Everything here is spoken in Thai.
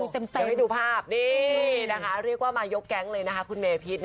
เต็มให้ดูภาพนี่นะคะเรียกว่ามายกแก๊งเลยนะคะคุณเมพิษ